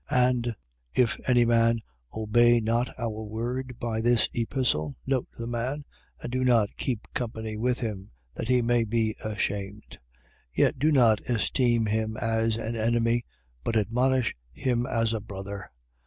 3:14. And if any man obey not our word by this epistle, note that man and do not keep company with him, that he may be ashamed. 3:15. Yet do not esteem him as an enemy but admonish him as a brother.